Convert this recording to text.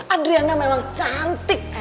adriana memang cantik